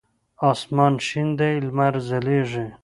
اسمان شین دی لمر ځلیږی